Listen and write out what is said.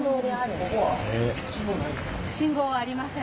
信号はありません。